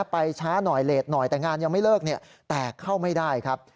ไปช้าหน่อยเลสหน่อยแต่งานยังไม่เลิกแตกเข้าไม่ได้ครับ